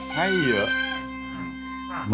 ให้เยอะ